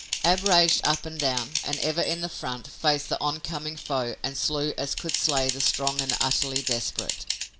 Ab raged up and down, and, ever in the front, faced the oncoming foe and slew as could slay the strong and utterly desperate.